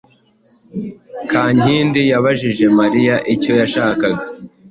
Kankindi yabajije Mariya icyo yashakaga.